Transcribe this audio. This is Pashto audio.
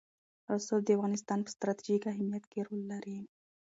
رسوب د افغانستان په ستراتیژیک اهمیت کې رول لري.